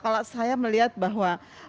kalau saya melihat bahwa